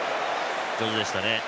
上手でしたね。